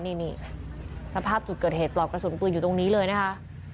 นี่สภาพจุดเกิดเหตุปลอกกระสุนปืนอยู่ตรงนี้เลยนะคะ